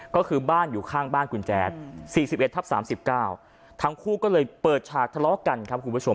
ก็คือบ้านอยู่ข้างบ้านคุณแจ๊ด๔๑ทับ๓๙ทั้งคู่ก็เลยเปิดฉากทะเลาะกันครับคุณผู้ชม